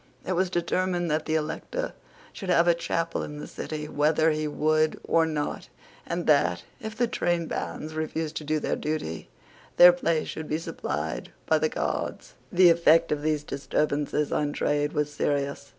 It was determined that the Elector should have a chapel in the City whether he would or not, and that, if the trainbands refused to do their duty, their place should be supplied by the Guards. The effect of these disturbances on trade was serious.